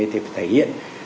thì phải thể hiện